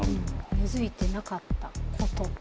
根づいてなかったこと。